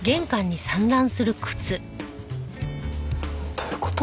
どういう事？